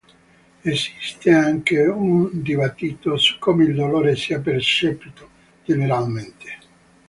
Esiste anche un dibattito su come il dolore sia percepito generalmente.